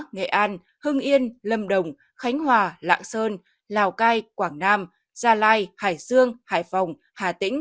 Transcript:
nghệ an hưng yên lâm đồng khánh hòa lạng sơn lào cai quảng nam gia lai hải dương hải phòng hà tĩnh bình thuận đồng tháp